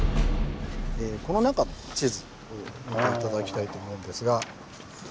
この中の地図見て頂きたいと思うんですが。